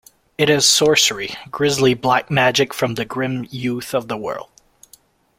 It is sorcery - grisly black magic from the grim youth of the world.